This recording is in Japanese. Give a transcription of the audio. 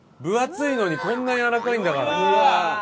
分厚いのにこんなやわらかいんだから。